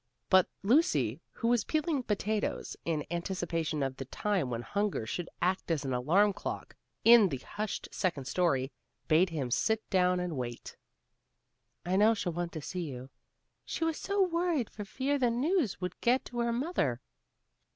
But Lucy, who was peeling potatoes in anticipation of the time when hunger should act as an alarm clock, in the hushed second story, bade him sit down and wait. "I know she'll want to see you. She was so worried for fear the news would get to her mother."